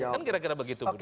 kan kira kira begitu